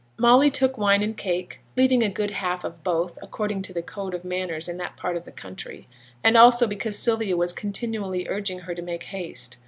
Molly took wine and cake, leaving a good half of both, according to the code of manners in that part of the country; and also because Sylvia was continually urging her to make haste.